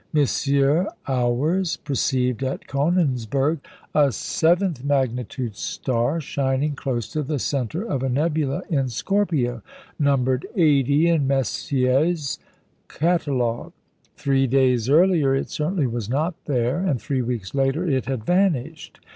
Auwers perceived at Königsberg a seventh magnitude star shining close to the centre of a nebula in Scorpio, numbered 80 in Messier's Catalogue. Three days earlier it certainly was not there, and three weeks later it had vanished.